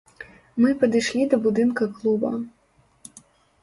Мы падышлі да будынка клуба.